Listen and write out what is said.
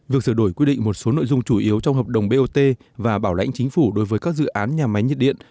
việc sửa đổi quy định một số nội dung chủ yếu trong hợp đồng bot và bảo lãnh chính phủ đối với các dự án nhà máy nhiệt điện